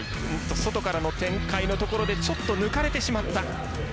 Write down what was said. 外からの展開のところでちょっと抜かれてしまった。